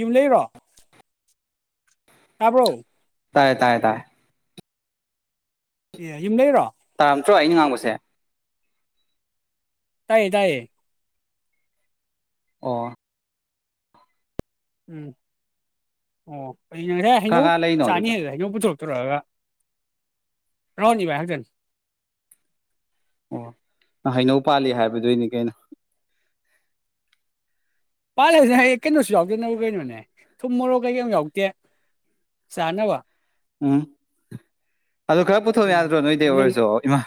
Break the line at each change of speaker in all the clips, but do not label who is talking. ꯌꯨꯝ ꯂꯩꯔꯣ ꯇꯥꯕ꯭ꯔꯣ
ꯇꯥꯏꯌꯦ ꯇꯥꯏꯌꯦ ꯇꯥꯏꯌꯦ
ꯑꯦ ꯌꯨꯝ ꯂꯩꯔꯣ
ꯇꯥꯔꯝꯗ꯭ꯔꯣ ꯑꯩꯅ ꯉꯥꯡꯕꯁꯦ
ꯇꯥꯏꯌꯦ ꯇꯥꯏꯌꯦ
ꯑꯣ
ꯎꯝ ꯑꯣ ꯉꯁꯦ
ꯀꯥ
ꯍꯩꯅꯧ
ꯀꯥ ꯂꯩꯅꯣ
ꯆꯥꯅꯤ
ꯑꯗꯨꯗ
ꯍꯩꯅꯧ ꯄꯨꯊꯣꯛꯑꯦ ꯍꯒ ꯔꯅꯤ ꯊꯟ
ꯑꯣ ꯍꯩꯅꯧ ꯄꯥꯜꯂꯤ ꯍꯥꯏꯕꯗꯨꯣꯏꯅꯤ ꯀꯩꯅꯣ
ꯄꯥꯜꯂꯁꯤꯅ ꯍꯌꯦ ꯀꯩꯅꯣꯁꯨ ꯌꯥꯎꯗꯅꯕ ꯀꯩꯅꯣꯅꯦ ꯊꯨꯝ ꯃꯣꯔꯣꯛ ꯀꯩꯀꯩ ꯌꯥꯎꯗꯦ ꯆꯥꯅꯕ
ꯑꯝ ꯑꯗꯨ ꯈꯔ ꯄꯨꯊꯣꯛ
ꯎꯝ
ꯌꯥꯗ꯭ꯔꯣ ꯅꯣꯏꯗ
ꯅꯪ
ꯑꯣꯏꯔꯁꯨ ꯏꯃꯥ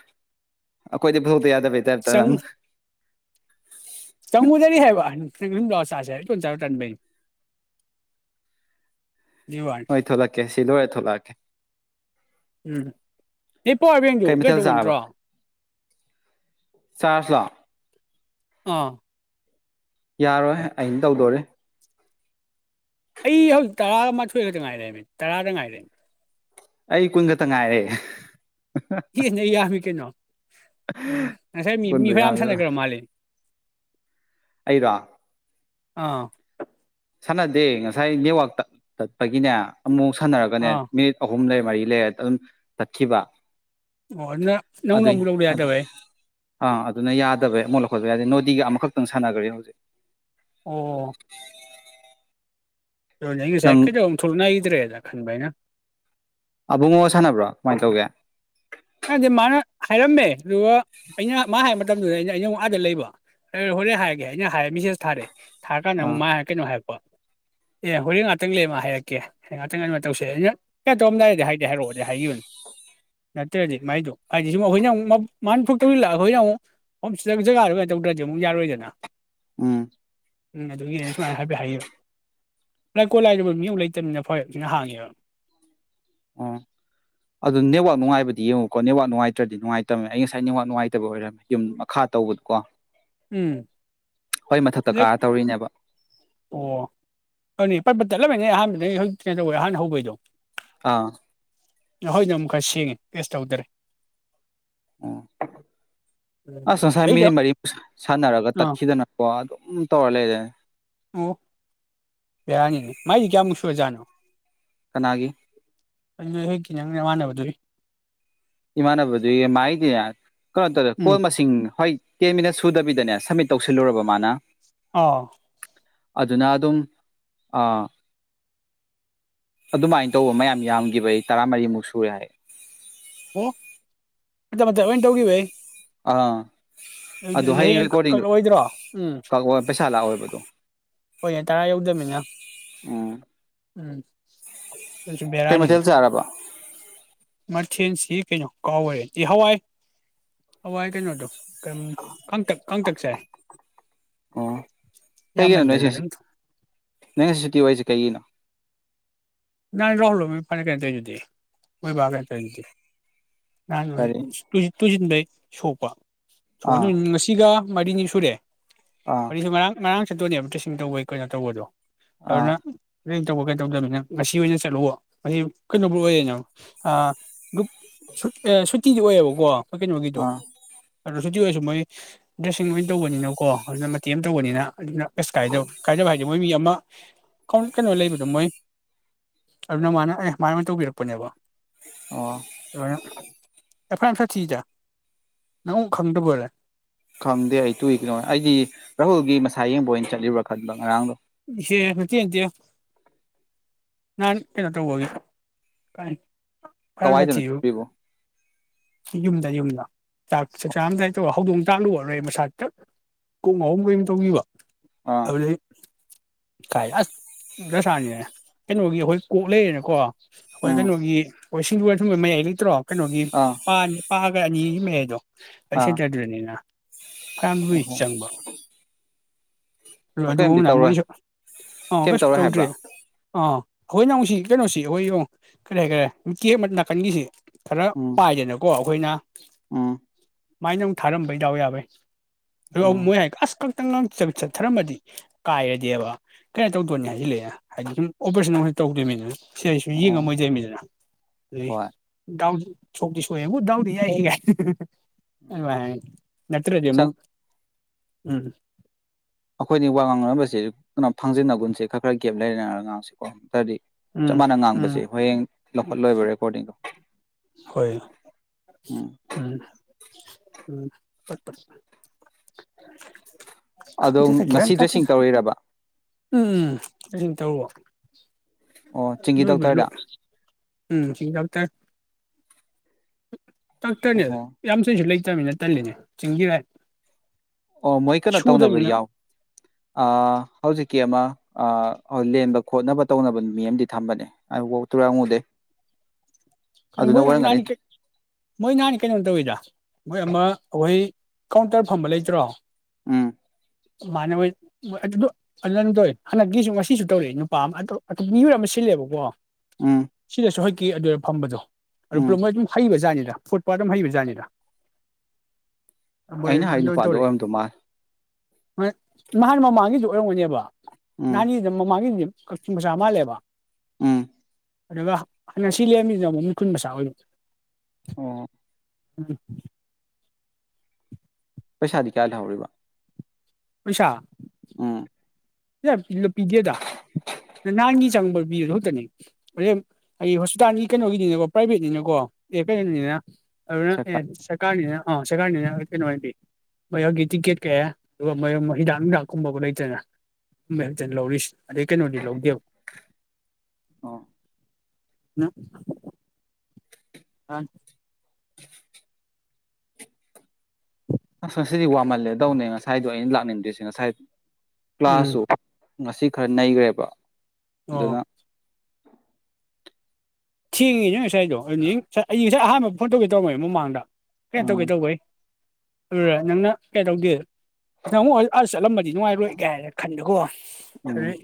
ꯑꯈꯣꯏꯗꯤ ꯐ ꯇꯔ ꯕꯇ ꯏꯔ ꯇ ꯅꯝ
ꯆꯃꯨꯗꯔꯤ ꯍꯥꯏꯕ ꯂꯁꯁꯦ ꯄꯨꯣꯟ ꯆꯥ ꯇ
ꯍꯣꯏ ꯊꯣꯂꯛꯀꯦ ꯁꯤꯜꯣꯋꯦ ꯊꯣꯂꯛꯀꯦ
ꯎꯝ ꯏꯄ ꯏꯕꯦꯡꯗꯨ
ꯀꯩ ꯃꯊꯦꯜ
ꯀꯩꯗꯧꯕ
ꯆꯥꯔꯕ
ꯅꯠꯇ꯭ꯔꯣ
ꯆꯥꯔꯖ ꯂꯣ
ꯑꯥ
ꯌꯥꯔꯣꯏ ꯑꯩꯅ ꯇꯧꯗꯣꯔꯦ
ꯑꯩ ꯍꯧꯖꯤꯛ ꯇꯔꯥ ꯃꯥꯊꯣꯏ ꯈꯛꯇ ꯉꯥꯏꯔꯃꯤ ꯇꯔꯥꯗ ꯉꯥꯏꯔꯃꯤ
ꯑꯩ ꯀꯨꯏꯟ ꯈꯛꯇ ꯉꯥꯏꯔꯦ
ꯍ ꯅꯃꯤ ꯀꯩꯅꯣ ꯎꯝ ꯉꯁꯥꯏ ꯃꯤ ꯃꯤ
ꯀꯨꯟꯗꯣ
ꯐ ꯌꯥꯝ ꯁꯥꯟꯅꯒꯔꯣ ꯃꯥꯜꯂꯤ
ꯑꯩꯔ
ꯑꯥ
ꯁꯥꯟꯅꯗꯦ ꯉꯁꯥꯏ ꯅꯦꯠꯋꯥꯛ ꯇꯠꯄꯒꯤꯅꯦ ꯑꯃꯨꯛ ꯁꯥꯟꯅꯔꯒꯅꯦ
ꯑꯥ
ꯃꯤꯠ ꯑꯍꯨꯝ ꯂꯩꯕ ꯃꯔꯤ ꯂꯩꯦ ꯑꯗꯨꯝ ꯇꯠꯈꯤꯕ
ꯑꯣ ꯅ ꯅ
ꯑꯗꯨꯏ
ꯅꯕꯨꯨ ꯂꯧꯧꯌꯥꯗꯚꯥꯏ
ꯑꯥ ꯑꯗꯨꯅ ꯌꯥꯗꯕꯩ ꯑꯃꯨꯛ ꯂꯧꯈꯠꯄꯕ ꯌꯥꯗꯦ ꯅꯣꯗꯤꯒ ꯑꯃꯈꯛꯇꯪ ꯁꯥꯟꯅꯈ꯭ꯔꯦ ꯍꯧꯖꯤꯛ
ꯑꯣ ꯪ
ꯅꯪ
ꯁꯥꯏꯀꯖ ꯊꯨꯜꯅꯏꯗ꯭ꯔꯦ ꯑꯗꯨ ꯈꯕꯥꯏꯅ
ꯑꯕꯨꯡꯉꯣ ꯁꯥꯟꯅꯕ꯭ꯔꯣ ꯀꯃꯥꯏꯅ ꯇꯧꯒꯦ
ꯍꯥꯏꯗꯤ ꯃꯥꯅ ꯍꯥꯏꯔꯝꯃꯦ ꯑꯗꯨꯒ ꯑꯩꯅ ꯃꯥ ꯍꯥꯏꯕ ꯃꯇꯝ ꯃꯇꯝꯗꯨꯗ ꯑꯩꯅ ꯑꯩꯅ ꯋꯥ ꯑꯥꯗ ꯂꯩꯕ ꯍꯣꯔꯦꯟ ꯍꯥꯏꯔꯒꯦ ꯑꯩꯅ ꯍꯥꯏ ꯃꯦꯁꯦꯖ ꯊꯥꯔꯦ ꯊꯔ ꯀꯥꯟꯗ ꯑꯃꯨꯛ
ꯑꯥ
ꯃꯥꯉꯦ ꯀꯩꯅꯣ ꯍꯥꯏꯔꯛꯄ ꯑꯦ ꯍꯣꯔꯦꯟ ꯉꯥꯛꯇꯪ ꯂꯩꯃ ꯍꯥꯏꯔꯛꯀꯦ ꯍꯣꯔꯡ ꯉꯥꯛꯇꯪ ꯑꯗꯨꯃ ꯇꯧꯁꯦ ꯑꯩꯅ ꯀꯩꯅ ꯇꯧꯔꯝꯗꯥꯏꯗꯤ ꯍꯥꯏꯗꯤꯦ ꯍꯥꯏꯔꯛꯑꯣꯗꯤ ꯍꯥꯏꯈꯤꯕꯅꯦ ꯅꯠꯇ꯭ꯔꯗꯤ ꯃꯥꯏꯗꯣ ꯍꯥꯏꯗꯤ ꯁꯨꯝ ꯑꯩꯈꯣꯏꯅ ꯑꯃꯨꯛ ꯃꯥꯅ ꯊꯣꯛꯇꯧꯔꯤꯜꯂ ꯑꯩꯈꯣꯏꯅ ꯑꯃꯨꯛ ꯍꯣꯝ ꯖꯒꯥꯗ ꯀ ꯇꯧꯗ꯭ꯔꯗꯤ ꯑꯃꯨꯛ ꯌꯥꯔꯣꯏꯗꯅ
ꯎꯝ
ꯎꯝ ꯑꯗꯨꯒꯤꯅꯦ ꯁꯨꯃꯥꯏꯅ ꯍꯥꯏꯕꯤ ꯍꯥꯏꯌꯦ ꯂꯥꯏꯀꯣꯜꯂꯥꯏꯔ ꯃꯤ ꯑꯃ ꯂꯩꯇꯕꯅꯤꯅ ꯐꯔꯅꯤꯅ ꯍꯥꯡꯉꯦꯕ
ꯑꯣ ꯑꯗꯨꯣ ꯅꯦꯠꯋꯥꯛ ꯅꯨꯡꯉꯥꯏꯕꯗꯤ ꯌꯦꯡꯉꯨꯀꯣ ꯅꯦꯠꯋꯥꯛ ꯅꯨꯡꯉꯥꯏꯇ꯭ꯔꯗꯤ ꯅꯨꯡꯉꯥꯏꯇꯕꯅꯦ ꯑꯩ ꯉꯁꯥꯏ ꯅꯦꯠꯋꯥꯛ ꯅꯨꯡꯉꯥꯏꯇꯕ ꯑꯣꯏꯔꯝꯃꯦ ꯌꯨꯝ ꯃꯈꯥ ꯇꯧꯕꯗꯀꯣ
ꯎꯝ
ꯍꯣꯏ ꯃꯊꯛꯇ ꯀꯥ
ꯂꯥꯏꯛ
ꯇꯧꯔꯤꯅꯦꯕ
ꯑꯣ ꯑꯗꯨꯅꯤ ꯄꯄ ꯆꯠꯂꯝꯃꯤꯅꯦ ꯑꯍꯥꯟꯕꯗ ꯍꯧꯖꯤ ꯀꯩꯅ ꯇꯧꯋꯦ ꯑꯍꯥꯟꯅ ꯍꯧꯕꯩꯗꯣ
ꯑꯥ
ꯍꯣꯏꯅ ꯑꯃꯨꯛ ꯈꯔ ꯁꯦꯡꯉꯦ ꯇꯦꯁ ꯇꯧꯗꯔꯦ
ꯑꯣ ꯑꯁ ꯉꯁꯥꯏ
ꯑꯩꯗ
ꯃꯤꯅꯤꯠ ꯃꯔꯤꯃꯨꯛ ꯁꯥꯟꯅꯔꯒ
ꯑꯥ
ꯇꯠꯈꯤꯗꯅꯀꯣ ꯑꯗꯣ ꯎꯝ ꯇꯣꯂꯦꯗꯦ
ꯑꯣ ꯌꯥꯅꯤꯅꯤ ꯃꯥꯥꯏꯗꯤ ꯀꯌꯥ ꯃꯨꯁꯨꯖꯥꯅꯣ
ꯀꯒꯤ
ꯑꯩ ꯅꯣꯏ ꯍꯦꯛꯀꯤ ꯅꯪꯅꯃꯥꯟꯅꯕꯗꯨꯏ
ꯏꯃꯥꯟꯅꯕꯗꯨꯒꯤ ꯃꯥꯏꯗꯤꯅꯦ ꯀꯩꯅꯣ ꯇꯧꯔꯦ
ꯎꯝ
ꯀꯣꯜ ꯃꯁꯤꯡ ꯍꯣꯏ ꯇꯦꯟ ꯃꯤꯅꯠ ꯁꯨꯗꯕꯤꯗꯅꯦ ꯁꯕꯃꯤꯠ ꯇꯧꯁꯤꯜꯂꯨꯔꯕ ꯃꯥꯅ
ꯑꯥ
ꯑꯗꯨꯅ ꯑꯗꯨꯝ ꯑ ꯑꯗꯨꯃꯥꯏꯅ ꯇꯧꯕ ꯃꯌꯥꯝ ꯌꯥꯝꯒꯤꯕꯩ ꯇꯔꯥꯃꯔꯤꯃꯨꯛ ꯁꯨꯔꯦ ꯍꯥꯏꯌꯦ
ꯑꯣ ꯃꯇꯠ ꯃꯇꯠ ꯑꯣꯏꯟ ꯇꯧꯒꯤꯕꯩ
ꯑꯥ
ꯑꯗꯨꯗꯤ
ꯑꯗꯣ
ꯑꯩꯗꯤ ꯍꯌꯦꯡ ꯀꯛ
ꯔꯦꯀꯣꯔꯗꯤꯡ
ꯀꯛꯂꯛꯑꯣꯏꯗ꯭ꯔꯣ ꯎꯝ
ꯕꯗꯣ
ꯍꯣꯏꯅꯦ ꯇꯔꯥ ꯌꯧꯗꯝꯃꯤꯅ
ꯎꯝ
ꯎꯝ ꯑꯗꯨꯁꯨ
ꯀꯩ
ꯕꯦꯔꯥꯅꯤꯅꯦ
ꯃꯊꯦꯜ ꯆꯥꯔꯕ
ꯃꯊꯦꯟꯁꯤ ꯀꯩꯅꯣ ꯀꯥꯎꯒꯔꯦ ꯑꯦ ꯍꯋꯥꯏ ꯍꯋꯥꯏ ꯀꯩꯅꯣꯗꯣ ꯀꯥꯡꯇꯛ ꯀꯥꯡꯇꯛ ꯆꯥꯏ
ꯑꯣ ꯀꯩꯒꯤꯅꯣ ꯅꯣꯏꯁꯦ
ꯌꯥꯝꯃꯟꯗꯅ ꯑꯗꯨꯝ
ꯅꯣꯏꯁꯦ ꯉꯁꯤ ꯁꯨꯇꯤ ꯑꯣꯏꯁꯦ ꯀꯩꯒꯤꯅꯣ
ꯅꯥꯟ ꯔꯥꯍꯨꯜꯍꯣꯏ ꯃꯣꯏ ꯐꯅꯤ ꯀꯩꯅꯣ ꯇꯣꯏꯗꯨꯗꯤ ꯃꯣꯏ ꯕꯥ ꯀꯩꯅꯣ ꯇꯣꯏꯗꯨꯗꯤ ꯅꯍꯥꯟ ꯃꯣꯏ
ꯀꯔꯤ
ꯁ ꯇꯨꯖꯤꯟ ꯇꯨꯖꯤꯟꯕꯩ ꯁꯣꯛꯄꯥ
ꯑꯥ
ꯁꯣꯛꯅꯤꯅꯤ ꯉꯁꯤꯒ ꯃꯥꯔꯤꯅꯤꯁꯨꯨꯨꯔꯦ
ꯑꯥ
ꯃꯔꯤꯅꯤ ꯁꯨ ꯉꯔꯥꯡ ꯉꯔꯥꯡ ꯆꯠꯇꯣꯏꯅꯦꯕ ꯗ꯭ꯔꯦꯁꯤꯡ ꯇꯧꯕꯩ ꯀꯩꯅꯣ ꯇꯧꯕꯗꯣ
ꯑꯥ
ꯑꯗꯨꯅ ꯑꯟꯏꯟꯇꯦꯜꯂꯤꯖꯦꯕꯜ ꯉꯁꯤ ꯑꯣꯏꯅ ꯆꯠꯂꯨꯕ ꯑꯁꯤ ꯀꯩꯅꯣꯕꯨ ꯑꯣꯏꯌꯦꯅ ꯒ꯭ꯔꯨꯞ ꯁꯨꯠ ꯑ ꯁꯨꯇꯤꯒꯤ ꯑꯣꯏꯌꯦꯕꯀꯣ ꯃꯣꯏ ꯀꯩꯅꯣꯒꯤꯗꯨ
ꯑꯥ
ꯑꯗꯣ ꯁꯨꯇꯤ ꯑꯣꯏꯔꯁꯨ ꯃꯣꯏ ꯗ꯭ꯔꯦꯁꯤꯡ ꯑꯣꯏꯅ ꯇꯧꯕꯅꯤꯅꯀꯣ ꯑꯗꯨꯅ ꯃꯇꯦꯛ ꯑꯃ ꯇꯧꯕꯅꯤꯅ ꯑꯗꯨꯅ ꯀꯩꯁ ꯀꯥꯏꯗꯕ ꯀꯥꯏꯗꯕ ꯍꯥꯏꯗꯤ ꯃꯣꯏ ꯃꯤ ꯑꯃ ꯀ ꯀꯩꯅꯣ ꯂꯩꯕꯗꯣ ꯃꯣꯏ ꯑꯗꯨꯅ ꯃꯥꯅ ꯑꯦ ꯃꯥꯅ ꯑꯣꯏꯟ ꯇꯧꯕꯤꯔꯛꯄꯅꯦꯕ
ꯑꯣ
ꯑꯔꯨꯅ ꯑꯦ ꯐꯖꯟ ꯐꯟꯅ ꯊꯤꯗ ꯅꯪ ꯑꯝꯕꯣꯛ ꯈꯪꯗꯕꯣꯏꯔꯦ
ꯈꯪꯗꯦ ꯑꯩ ꯇꯨꯏ ꯀꯩꯅꯣ ꯑꯩꯗꯤ ꯔꯥꯍꯨꯜꯒꯤ ꯃꯁꯥ ꯌꯦꯡꯕ ꯑꯣꯏꯅ ꯆꯠꯂꯤꯕ꯭ꯔꯥ ꯈꯟꯕ ꯉꯔꯥꯡꯗꯣ
ꯏꯁꯦ ꯅꯠꯇꯦ ꯅꯠꯇꯦ ꯅꯥꯟ ꯀꯩꯅꯣ ꯇꯧꯕꯒꯤ ꯀꯥꯏ
ꯀꯋꯥꯏꯗꯅꯣ ꯑꯟꯏꯟꯇꯦꯜꯂꯤꯖꯦꯕꯜ ꯔꯤꯕꯨ
ꯌꯨꯝꯗ ꯌꯨꯝꯗ ꯆꯥꯛ ꯆꯛꯆꯥꯔꯝꯗꯥꯏ ꯇꯧꯔ ꯍꯧꯗꯣꯡ ꯆꯥꯛꯂꯨꯕꯂ ꯑꯩ ꯃꯁꯥ ꯍꯇ ꯀꯨꯡ ꯑꯍꯨꯝ ꯀꯔꯤꯝ ꯇꯧꯈꯤꯕ
ꯑꯥ
ꯍꯧ ꯂꯩ ꯀꯥꯏ ꯑꯁ ꯗꯁꯥꯅꯤ ꯀꯩꯅꯣꯒꯤ ꯑꯩꯈꯣꯏ ꯀꯣꯛ ꯂꯩꯔꯦꯅꯀꯣ ꯑꯩꯈꯣꯏ
ꯎꯝ
ꯀꯩꯅꯣꯒꯤ ꯍꯣꯏ ꯁꯤꯡꯖꯣꯏꯊꯣꯏꯕ ꯃꯌꯥꯏ ꯂꯩꯇ꯭ꯔꯣ ꯅ
ꯑꯥ
ꯄ ꯀꯅꯤ ꯃꯦꯗꯣ ꯑꯩ
ꯑꯥ
ꯁꯖꯗ꯭ꯔꯅꯤꯅ ꯐꯔ ꯂꯨꯏ ꯆꯪꯕ
ꯑꯣ
ꯑꯗꯨ
ꯀꯩꯝꯗꯤ ꯇꯧꯔꯣꯏ
ꯃꯣꯏꯁꯨ ꯑꯥ
ꯀꯩꯝ
ꯀꯩꯁꯨ
ꯇꯧꯔꯣꯏ
ꯇꯧꯗ꯭ꯔꯤ
ꯍꯥꯏꯕ꯭ꯔꯥ
ꯑꯥ ꯑꯩꯈꯣꯏ ꯅꯪꯁꯤ ꯀꯩꯅꯣꯁꯤ ꯑꯩꯈꯣꯏ ꯌꯦꯡꯉ ꯀꯔꯤ ꯍꯥꯏꯇꯥꯔꯦ ꯀꯦꯛ ꯑꯃ ꯅꯥꯀꯟꯒꯤꯁꯤ ꯈꯔ
ꯎꯝ
ꯄꯥꯏꯗꯅꯀꯣ ꯑꯩꯈꯣꯏꯅ
ꯎꯝ
ꯃꯥꯏ ꯅ ꯑꯃꯨꯛ ꯊꯥꯔꯝꯕꯩꯗꯎ ꯌꯥꯕꯩ ꯑꯗꯨ
ꯑꯣ
ꯃꯣꯏ ꯍꯥꯏ ꯑꯁ ꯈꯛꯇꯪ ꯉ ꯆꯠꯊꯔꯝꯃꯗꯤ ꯍ ꯀꯥꯏꯔꯗꯤꯦꯕ ꯀꯩꯅꯣ ꯇꯧꯗꯣꯏꯅꯤ ꯍꯥꯏꯖꯤꯜꯂꯛꯑꯦ ꯍꯥꯏꯗꯤ ꯁꯨꯝ ꯑꯣꯄꯔꯦꯁꯟ ꯑꯃꯨꯛ ꯇꯧꯗꯣꯏꯅꯤꯅ ꯁꯤ ꯑꯩꯁꯨ
ꯑꯣ
ꯌꯦꯡꯉꯝꯃꯣꯏꯗꯩꯅꯤꯗꯅ ꯑꯗꯨꯩ
ꯍꯣꯏ
ꯁꯣꯛꯇ ꯁꯣꯑꯦꯕꯨꯗꯥꯎꯗꯤ ꯌꯥꯏꯒ ꯑ ꯅꯠꯇ꯭ꯔꯣꯖ ꯑꯃꯨ
ꯆꯪ
ꯎꯝ
ꯑꯩꯈꯣꯏꯅꯤ ꯋꯥ ꯉꯥꯡꯅꯅꯕꯁꯤ ꯀꯩꯅꯣ ꯐꯥꯡꯖꯤꯟꯅꯒꯟꯁꯦ ꯈꯔ ꯈꯔ ꯒꯦꯞ ꯂꯩꯔꯦꯅꯔ ꯉꯥꯡꯁꯤꯀꯣ ꯁꯥꯔꯗꯤ ꯆꯞ
ꯎꯝ
ꯃꯅ
ꯎꯝ
ꯉꯥꯡꯕꯁꯦ ꯍꯌꯦꯡ ꯂꯧꯈꯠꯂꯣꯏꯕ ꯔꯦꯀꯣꯔꯗꯤꯡꯗꯣ
ꯍꯣꯏ ꯎꯝ ꯎꯝꯠꯄ
ꯑꯗꯣ ꯉꯁꯤ ꯗ꯭ꯔꯦꯁꯤꯡ ꯇꯧꯣꯏꯔꯕ
ꯎꯝ ꯑꯗꯨꯅ ꯇꯔ
ꯑꯣ ꯆꯤꯡꯒꯤ
ꯂꯣ
ꯗꯣꯛꯇꯔꯗ
ꯎꯝ ꯇꯦ ꯇꯥꯛꯇꯅꯦꯗ
ꯑꯣꯍꯣ
ꯌꯥꯝ ꯁꯤꯁꯨ ꯂꯩ ꯆꯠꯇꯃꯤꯅ ꯇꯜꯂꯤꯅꯦ ꯆꯤꯡꯒꯤꯚꯏ
ꯑꯣ ꯃꯣꯏ ꯀꯩꯅꯣ ꯇꯧꯅꯕꯗꯤ ꯌꯥꯎ ꯍꯧꯖꯤꯛꯀꯤ ꯑꯃ ꯂꯦꯟꯕ ꯈꯣꯠꯅꯕ ꯇꯧꯅꯕ ꯃꯤ ꯑꯃꯗꯤ ꯊꯝꯕꯅꯦ ꯑꯗꯨꯐꯥꯎ ꯇꯨꯔꯉꯨꯗꯦ
ꯣ ꯃꯣꯏ ꯅꯍꯅꯤ ꯃꯣꯏ ꯅꯍꯅꯤ ꯀꯩꯅꯣꯝ ꯇꯧꯋꯤꯗ ꯃꯣꯏ ꯑꯃ ꯑꯩꯍꯣꯏ ꯀꯥꯎꯟꯇꯔ ꯐꯝꯕ ꯂꯩꯇ꯭ꯔꯣ
ꯎꯝ
ꯃꯥꯅ ꯍꯣꯏ ꯑꯗꯨꯗꯣꯗ ꯍꯟꯗꯛꯀꯤꯁꯨ ꯉꯁꯤꯁꯨ ꯇꯧꯔꯛꯑꯦ ꯅꯨꯄꯥ ꯑꯃ ꯃꯤꯑꯣꯏ ꯑꯃ ꯁꯤꯜꯂꯦꯕꯀꯣ
ꯎꯝ
ꯁꯤꯗꯁ ꯍ ꯀ ꯑꯗꯨ ꯐꯝꯕꯖꯣ ꯑꯗꯨ
ꯎꯝ
ꯄ꯭ꯂꯣꯃꯣꯏ ꯑꯗꯨꯝ ꯍꯩꯕꯥꯅꯤ ꯐꯨꯠ ꯄꯥꯠ ꯑꯃ ꯍꯩꯕꯖꯥꯠꯅꯤꯗ ꯃꯣꯏ
ꯑꯩꯅ ꯍꯥꯏ
ꯑꯗꯨ
ꯅꯨꯄꯥꯗꯣ
ꯇꯧꯔꯦ
ꯑꯣꯏꯔꯝꯗꯧ ꯃꯥꯜꯂꯦ
ꯅꯍꯥꯟ ꯃꯃꯥꯡꯒꯤꯁꯨ ꯑꯣꯏꯔꯝꯒꯅꯦꯕ
ꯎꯝ
ꯅꯥꯟꯗꯦꯃ ꯃꯥꯒꯤꯗꯦ ꯃꯁꯃ ꯂꯩꯦꯕ
ꯎꯝ
ꯑ ꯋꯥ ꯁꯤꯤꯃꯤ ꯃꯤ ꯀꯨꯟꯕꯁ ꯑꯣꯏꯔ
ꯑꯣ
ꯎꯝ
ꯄꯩꯁꯥꯗꯤ ꯀꯌꯥ ꯂꯩꯍꯧꯔꯤꯕ
ꯎꯁꯥ
ꯎꯝ
ꯄꯤꯗꯦꯗ ꯅꯍꯥꯟꯒꯤ ꯆꯪꯕ ꯄꯤꯕ ꯈꯨꯛꯇꯅꯤ ꯑꯣ ꯑꯩ ꯍꯣꯁꯄꯤꯇꯥꯜꯒꯤ ꯀꯩꯅꯣꯒꯤꯅꯤꯅꯀꯣ ꯄ꯭ꯔꯥꯏꯚꯦꯠꯅꯤꯅꯀꯣ ꯑꯦ ꯀꯩꯅꯣꯅꯤꯅ ꯑꯗꯨꯅ
ꯁꯔꯀꯥꯔ
ꯁꯥ ꯑ ꯁꯀꯥꯅ ꯀꯩꯅꯣ ꯍꯥꯏꯗꯤ ꯃꯌꯣꯛꯒꯤ ꯇꯤꯛꯀꯦꯠ ꯀꯩ ꯑꯗꯨꯒ ꯃ ꯍꯤꯗꯥꯛ ꯍꯤꯗꯥꯛꯀꯨꯝꯕꯕꯨ ꯂꯩꯇꯅ ꯃꯇꯅ ꯂꯧꯔꯤꯁꯤ ꯑꯗꯨꯗ ꯀꯩꯅꯗꯤ ꯂꯧꯗꯤꯕ ꯎ
ꯑꯣ
ꯑ
[unintelligible] ꯑꯁ ꯉꯁꯤꯗꯤ ꯋꯥꯡꯃꯜꯂꯦꯗꯧꯅꯦ ꯉꯁꯥꯏꯗꯣ ꯑꯩꯅ ꯂꯥꯛꯅꯤꯡꯗ꯭ꯔꯤꯁꯦ ꯉꯁꯥꯏ ꯀ꯭ꯂꯥꯁꯥꯁ ꯑꯣ ꯉꯁꯤ ꯈꯔ ꯅꯩꯈ꯭ꯔꯦꯕ
ꯑꯣ
ꯗꯅ
ꯊꯦꯡꯉꯤ ꯅꯪ ꯉꯁꯥꯏꯗꯣ ꯉꯁ ꯑꯩ ꯉꯁꯥꯏ ꯑꯍꯥꯟꯕ ꯐꯣꯟ ꯇꯣꯛꯒꯦ ꯇꯧꯔꯝꯃꯦꯃꯤ ꯃꯃꯥꯡꯗ ꯀꯩꯅ ꯇꯧ
ꯎꯝ
ꯀꯩ ꯇꯧꯥꯏ ꯅꯪꯅ ꯀꯩꯗꯧꯒꯦ ꯅꯪ ꯑꯥ ꯆꯠꯂꯝꯕꯗꯤ ꯅꯨꯡꯉꯥꯏꯔꯣꯏ ꯀꯩ ꯍꯥꯏꯅ ꯈꯟꯕꯦꯀꯣ ꯑꯗꯨ
ꯎꯝ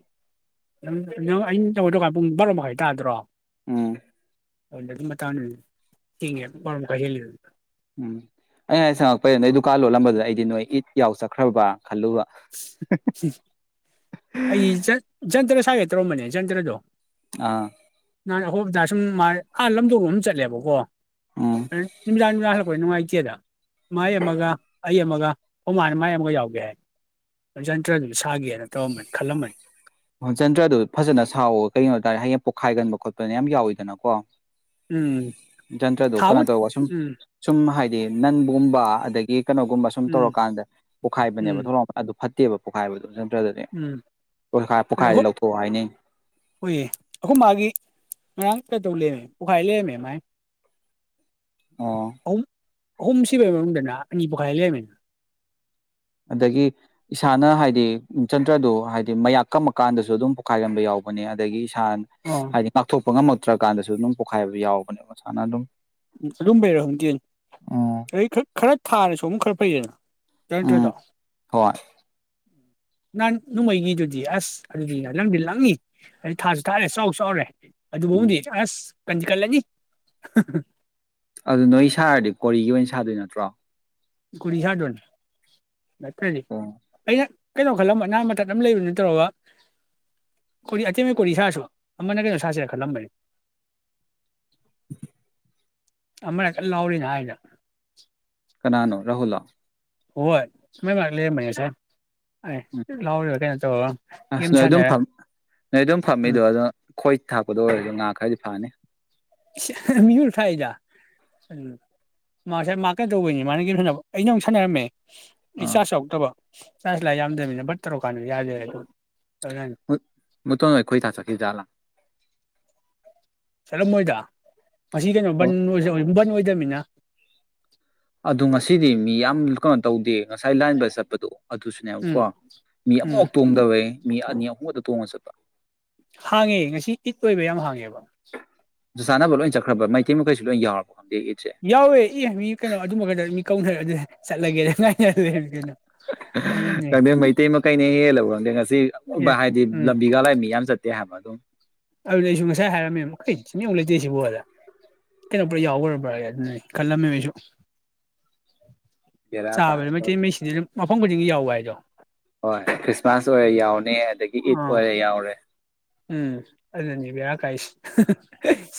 ꯅ ꯅꯪ ꯑꯩꯅ ꯅꯣꯏꯗꯀꯥꯟ ꯄꯨꯡ ꯕꯥꯔꯣ ꯃꯈꯥꯏ ꯇꯥꯗ꯭ꯔꯣ
ꯍꯝ
[unintelligible] ꯇ ꯃꯝ ꯀ
ꯀꯥ ꯂꯣꯜꯂꯝꯕꯗꯨꯗ ꯑꯩꯗꯤ ꯅꯣꯏ ꯏꯠ ꯌꯥꯎ ꯆꯠꯈ꯭ꯔꯕ ꯈꯜꯂꯨꯕ
ꯑꯩ ꯆꯟꯇ꯭ꯔ ꯊꯥꯒꯦ ꯇꯧꯔꯝꯕꯅꯦ ꯆꯟꯇ꯭ꯔꯗꯣ
ꯑꯥ
ꯅ ꯑꯩꯍꯣꯏꯕꯗ ꯁꯨꯝ ꯑꯥ ꯂꯝꯗꯒ ꯑꯃ ꯆꯠꯂꯦꯕꯀꯣ
ꯎꯝ
ꯃꯤꯂꯅꯨꯡꯉꯥꯏ ꯆꯗ ꯃꯥꯌꯥꯃꯒ ꯑꯃꯒ ꯑꯣ ꯃꯥꯅ ꯃꯥꯥꯏ ꯑꯃꯒ ꯌꯥꯎꯒꯦ ꯍꯥꯏ ꯌꯥꯟꯇ꯭ꯔꯗꯨꯗꯤ ꯁꯥꯒꯦꯅ ꯇꯧꯔꯝꯕꯅꯤ ꯈꯜꯂꯝꯃꯅꯤ
ꯍꯣꯟꯆꯟꯗ꯭ꯔꯗꯨ ꯐꯖꯅ ꯁꯥꯎꯋ ꯀꯩꯅꯅꯣ ꯇꯥꯔꯦ ꯍꯌꯦꯡ ꯄꯣꯛꯈꯥꯏꯒꯟꯕ ꯈꯣꯠꯄꯅ ꯌꯥꯝ ꯌꯥꯎꯋꯤꯗꯅꯀꯣ
ꯎꯝ
ꯖꯟꯇ꯭ꯔꯗꯨ ꯀꯩꯅꯣ
ꯊꯥꯕꯨ
ꯇꯧꯕ ꯁꯨꯝ
ꯎꯝ
ꯁꯨꯝ ꯍꯥꯏ ꯍꯥꯏꯗꯤ ꯅꯟꯒꯨꯝꯕ ꯑꯗꯒꯤ ꯀꯩꯅꯣꯒꯨꯝꯕ ꯁꯁꯨꯝ
ꯎꯝ
ꯇꯧꯔꯀꯥꯟꯗ ꯄꯣꯛꯈꯥꯏꯕꯅꯦꯕ
ꯎꯝ
ꯊꯂꯛꯄ ꯐꯠꯇꯦꯕ ꯄꯣꯛꯈꯥꯏꯕꯗꯨꯣ ꯇ꯭ꯔꯥꯗꯗꯤ
ꯎꯝ ꯑꯩꯈꯣꯏ ꯍꯣꯏꯌꯦ ꯑꯩꯈꯣꯏ ꯃꯥꯒꯤ ꯉꯔꯥꯡ ꯀꯩꯗꯧ ꯂꯔꯃꯦ ꯄꯣꯛꯈꯥꯏ ꯂꯩꯔꯝꯃꯦ ꯃꯥꯏ
ꯑꯣ
ꯍꯍꯨꯝ ꯁꯤꯕꯕꯗꯅꯥ ꯑꯅꯤꯄꯈꯥꯏ ꯂꯩꯔꯝꯃꯦ
ꯑꯗꯒꯤ ꯏꯁꯥꯅ ꯍꯥꯏꯗꯤ ꯆꯟꯗ꯭ꯔꯗꯨ ꯍꯥꯏꯗꯤ ꯃꯌꯥꯛ ꯀꯝꯃꯀꯥꯟꯗꯁꯨ ꯑꯗꯨꯝ ꯄꯣꯈꯥꯏꯔꯝꯕ ꯌꯥꯎꯕꯅꯦ ꯑꯗꯒꯤ
ꯑꯣ
ꯍꯥꯏꯗꯤ ꯃꯥꯊ ꯄꯣꯛꯉꯝꯃꯛꯇ꯭ꯔꯀꯥꯟꯗꯁꯨ ꯑꯗꯨꯝ ꯄꯣꯛꯈꯥꯏꯕ ꯌꯥꯎꯕꯅꯦꯕ ꯃꯁꯥꯅ ꯑꯗꯨꯝ
ꯎꯝ ꯑꯗꯨꯝꯕꯩꯔ ꯍꯧꯪꯗꯦ
ꯑꯣ
ꯑꯩ ꯈꯔ ꯊꯥꯅꯁꯨ ꯑꯃꯨꯛ ꯈꯔ ꯐꯩꯌꯦꯅ
ꯎꯝ
ꯀꯦꯟꯇꯗꯣ
ꯍꯣꯏ
ꯅꯍꯥꯟ ꯅꯣꯡꯃꯩꯅꯤꯗꯨꯗꯤ ꯑꯁ ꯑꯗꯨꯗꯤ ꯅꯪꯗꯤ ꯂꯪꯅꯤ ꯑꯗꯨ ꯊꯥꯁꯨ ꯊꯥꯜꯂꯦ ꯆꯥꯎꯁꯨ ꯆꯥꯎꯔꯦ ꯑꯗꯨꯗꯤ
ꯎꯝ
ꯍꯥꯎꯗꯤ ꯑꯁ ꯀꯟꯖꯤꯀꯂꯅꯤ
ꯑꯗꯨ ꯅꯣꯏ ꯁꯥꯔꯗꯤ ꯀꯣꯔꯤꯒꯤ ꯑꯣꯏꯅ ꯁꯥꯗꯣꯏ ꯅꯠꯇ꯭ꯔꯣ
ꯀꯨꯔꯤ ꯍꯥꯗꯣꯟꯅ ꯃꯠꯇꯜꯂꯤ
ꯑꯣ
ꯑꯩꯅ ꯀꯩꯅꯣ ꯈꯜꯂꯝꯕ ꯑꯅꯥ ꯃꯇꯊꯛ ꯑꯃ ꯂꯩꯕꯅ ꯇꯧꯔꯒ ꯀꯣꯔꯤ ꯑꯇꯦꯝꯕ ꯀꯣꯔꯤ ꯁꯥꯁꯨ ꯑꯃꯅ ꯀꯩꯅꯣ ꯁꯥꯁꯤꯔ ꯈꯜꯂꯝꯕꯅꯤ ꯑꯃꯅ ꯀ ꯂꯥꯎꯔꯤꯅ ꯍꯥꯏꯗ
ꯀꯅꯥꯅꯣ ꯔꯍꯨꯂ
ꯍꯣꯏ ꯃ ꯃꯥꯥꯛ ꯂ ꯃꯁꯦ ꯑꯦ
ꯎꯝ
ꯂꯥꯎꯔꯤ ꯀꯩꯅꯣ ꯇꯧ
ꯑꯁ
ꯀꯔꯤꯝ
ꯅꯣꯏ ꯑꯗꯨꯝ
ꯁꯥꯟꯅꯔꯦ
ꯐꯝ ꯅꯣꯏ ꯑꯗꯨꯝ
ꯎꯝ
ꯐꯝꯃꯤꯗꯣ ꯑꯗꯣ ꯈꯣꯏ ꯊꯥꯛꯄꯗ ꯑꯣꯏꯔꯁꯨ ꯉꯥ ꯈꯔꯗꯤ ꯐꯥꯅꯤ
ꯃꯤꯉꯣ ꯊꯥꯛꯏꯗ ꯃꯥꯁꯦ ꯃꯥ ꯀꯩꯗꯧꯕꯩꯅꯤ ꯃꯥꯅ ꯀꯣ ꯁꯥꯟꯅꯕ ꯑꯩꯅ ꯑꯃꯨꯛ ꯁꯥꯟꯅꯔꯝꯃꯦ
ꯑꯥ
ꯏꯥ ꯁꯎꯗꯕ ꯆꯥꯁ ꯂꯥꯏ ꯌꯥꯗ ꯔꯠꯇꯔꯣ ꯀꯥꯟꯅꯤ ꯌꯥꯗ
ꯃꯨ ꯇꯈꯣꯏ ꯊꯥꯥꯁ ꯀ ꯆꯂ
ꯁꯔ ꯃꯣꯏꯗ ꯑꯁꯤ ꯀꯩꯅꯣ
ꯑꯣ
ꯕꯟ ꯑꯣꯏ ꯑꯣꯏ ꯗꯃꯤꯅꯥ
ꯑꯗꯨ ꯉꯁꯤꯗꯤ ꯃꯤ ꯌꯥꯝ ꯀꯩꯅꯣ ꯇꯧꯗꯦ ꯉꯁꯥꯏ ꯂꯥꯏꯟꯕ ꯆꯠꯄꯗꯣ
ꯎꯝ
ꯑꯗꯨꯁꯨꯅꯦꯕꯀꯣ ꯃꯤ
ꯎꯝ
ꯑꯃꯐꯥꯎ ꯇꯣꯡꯗꯕꯦ ꯃꯤ ꯑꯅꯤ ꯑꯍꯨꯝꯛꯇ ꯇꯣꯡꯉꯒ ꯆꯠꯄ
ꯍꯥꯡꯉꯦ ꯉꯁꯤ ꯏꯠꯣꯏꯕ ꯌꯥꯝ ꯍꯥꯡꯉꯦꯕ
ꯁ ꯆꯥꯟꯅꯕ ꯂꯣꯏ ꯆꯠꯈ꯭ꯔꯕ ꯃꯩꯇꯩ ꯃꯩꯁꯨ ꯂꯣꯏ ꯌꯥꯎꯔꯕꯦ
ꯌꯥꯎꯋꯦ ꯏ ꯃꯤ ꯀꯩꯅꯣ ꯑꯗꯨꯃꯒꯗ ꯃꯤ ꯀꯧꯅꯔꯦ ꯆꯠꯂꯒꯦꯔꯣ
ꯀꯪꯗꯦꯝ ꯃꯩꯇꯩ ꯃꯈꯩꯅ ꯍꯦꯛ ꯂꯧꯔꯝꯗꯦ ꯉꯁꯤ ꯑꯕ
ꯑꯦ
ꯍꯥꯏꯗꯤ ꯂꯝꯕꯤꯒ ꯂꯥꯏ ꯃꯤ ꯌꯥꯝ ꯆꯠꯇꯦ ꯍꯥꯏ ꯃ ꯑꯗꯨ
ꯑꯗꯨꯗ ꯑꯩꯁꯨ ꯉꯁꯥꯏ ꯍꯥꯏꯔꯝꯃꯦꯕ ꯀꯔꯤ ꯁꯤꯃꯤꯨ ꯂꯩꯇꯦ ꯁꯤꯕꯨꯣ ꯑꯗ ꯀꯩꯅꯣ꯭ꯔꯥ ꯌꯥꯎꯈ꯭ꯔꯕ꯭ꯔꯥ ꯑꯗꯨ ꯈꯜꯂꯝꯃꯦꯕꯁꯨ
ꯕꯦꯔꯥ
ꯆꯥꯕ
ꯀꯥꯔꯦ
ꯃꯥ
ꯇꯧꯔꯦ
ꯃꯦꯁꯤ ꯈꯣꯡ ꯈꯨꯗꯤꯡ ꯌꯥꯎꯕ ꯍꯥꯏꯗꯣ
ꯍꯣꯏ ꯈ꯭ꯔꯤꯁꯃꯥꯁ ꯑꯣꯏꯔ ꯌꯥꯎꯅꯤ ꯑꯗꯒꯤ ꯏꯠ
ꯑꯥ
ꯑꯣꯏꯔ ꯌꯥꯎꯔꯦ
ꯅꯤꯕ ꯌꯥ ꯀꯥꯏꯁꯤ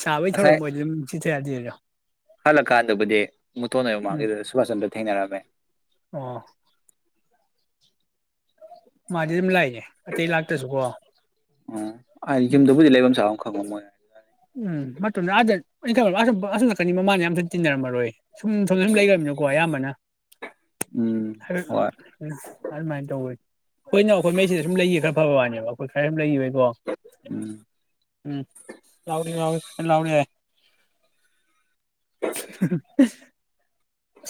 ꯁꯥꯕꯒꯤ ꯊꯧꯔꯝ ꯑꯣꯏꯗꯤ ꯑꯗꯨꯝ ꯁꯤꯊ ꯌꯥꯗꯔ
ꯍꯜꯂ ꯀꯥꯟꯗꯕꯨꯗꯤ ꯃꯨꯇꯣꯟꯅ ꯃꯥ
ꯎꯝ
ꯁꯨꯕꯥꯁ ꯆꯟ꯭ꯔ ꯊꯦꯡꯅꯔꯃꯦ
ꯑꯣ ꯃꯥꯖꯤꯦꯗꯤꯝ ꯂꯩꯏꯅꯦꯦ ꯑꯇꯩ ꯂꯥꯛꯇꯁꯨꯀꯣ
ꯐꯕ ꯃ
ꯎꯝ ꯃꯇꯨꯡꯗ ꯑꯥꯗꯩꯅ ꯑꯁꯂꯛꯀꯅꯤ ꯃꯃꯥꯅ ꯌꯥꯝꯁꯨ ꯇꯤꯟꯅꯔꯝꯃꯔꯣꯏ ꯁꯨꯝ ꯁꯨꯝ ꯁꯨꯝ ꯂꯩꯈ꯭ꯔꯕꯅꯀꯣ ꯑꯌꯥꯝꯕꯅ
ꯎꯝ ꯍꯣꯏ
ꯑꯗꯨꯃꯥꯏꯅ ꯇꯧꯋꯦ ꯍꯣꯏ ꯅ ꯑꯩꯈꯣꯏ ꯃꯩꯁꯤꯗ ꯁꯨꯝ ꯂꯩꯌꯦ ꯈꯔ ꯐꯕ ꯋꯥꯅꯦꯕ ꯑꯩꯈꯣꯏ ꯈꯔ ꯁꯨꯝ ꯂꯩ ꯋꯥ
ꯎꯝ
ꯎꯝ ꯂꯥꯎꯅꯤ ꯂꯥꯎꯅꯤ ꯀ ꯂꯥꯎꯅꯤ ꯌꯥ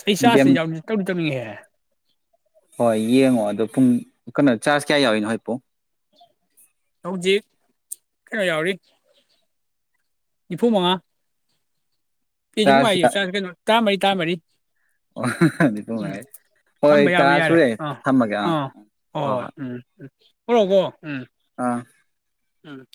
ꯁꯩꯁꯥꯁꯤ
ꯒꯦꯝ
ꯌꯥꯎ ꯇ [unintelligible] ꯑꯦ
ꯍꯣꯏ ꯌꯦꯡꯉꯣ ꯑꯗꯣ ꯄꯨꯡ ꯀꯩꯅꯣ ꯆꯥꯔꯖ ꯀꯌꯥ ꯌꯥꯎꯔꯤꯅꯣ ꯍꯣꯏꯛ ꯄꯨ
ꯍꯧꯖꯤꯛ ꯀꯅꯣ ꯌꯥꯎꯔꯤ ꯅꯤꯐꯨ ꯃꯉꯥ ꯀꯁꯨꯨ ꯍꯥꯏ ꯆ ꯀꯩꯅꯣ ꯇꯔꯥꯃꯔꯤ ꯇꯥ ꯃꯔꯤ
ꯑꯣꯉꯥꯏ ꯍꯣꯏ
ꯊꯝꯕ ꯌꯥꯕ
ꯇꯔꯥ
ꯌꯥꯔꯦ
ꯁꯨꯔꯦ
ꯑꯥ
ꯊꯝꯃꯒꯦ ꯑꯥ ꯑꯥ ꯍꯣꯏ ꯍꯣꯏ
[inaudible] ꯎꯝ
ꯑꯥ
ꯍ